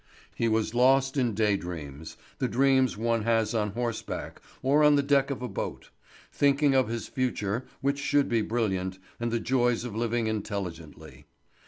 He was lost in day dreams, the dreams one has on horseback or on the deck of a boat; thinking of his future, which should be brilliant, and the joys of living intelligently.